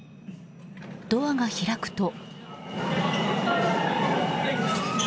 ドアが開くと。